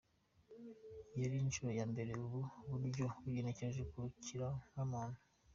Yari inshuro ya mbere ubu buryo bugeragerejwe ku kiremwamuntu.